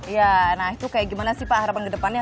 ya nah itu kayak gimana sih pak harapan ke depannya